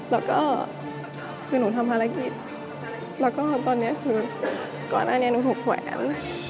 แล้วก็คือหนูทำภารกิจแล้วก็ตอนนี้คือก่อนหน้านี้หนูถูกหวยแล้ว